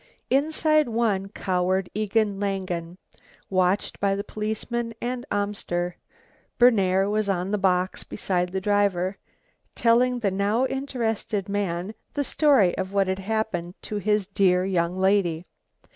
Inside one cowered Egon Langen, watched by the policeman and Amster. Berner was on the box beside the driver, telling the now interested man the story of what had happened to his dear young lady.